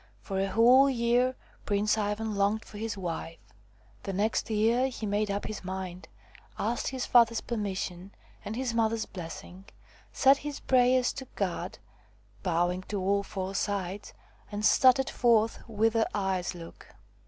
For a whole year Prince Ivan longed for his wife. The next year he made up his mind, asked his father's permission and his mother's blessing, said his prayers to God, bowing to all four sides, and started forth whither eyes look.